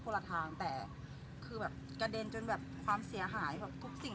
ละทางแต่คือแบบกระเด็นจนแบบความเสียหายแบบทุกสิ่ง